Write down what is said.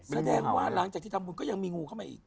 แสดงว่าหลังจากที่ทำบุญก็ยังมีงูเข้ามาอีก